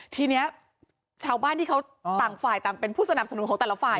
ทีนี้ชาวบ้านที่เขาต่างฝ่ายต่างเป็นผู้สนับสนุนของแต่ละฝ่าย